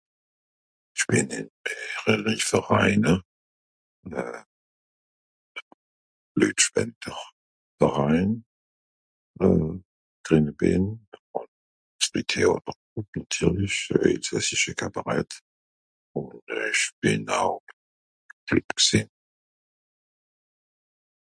isch bìn nìt ... veraine euh (leujspender) verain euh drìn bìn ... euh s'meteor .... elsassisch kabaret ùn euh ìsch bìn aw drìn gsìn